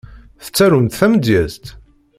Tettarumt tamedyezt?